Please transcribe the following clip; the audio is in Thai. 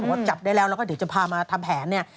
ว่าจับได้แล้วแล้วก็เดี๋ยวจะพามาทำแผนเนี่ย